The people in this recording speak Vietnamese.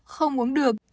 không uống được